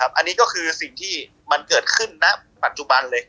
อันนี้ก็คือสิ่งที่มันเกิดขึ้นณปัจจุบันเลย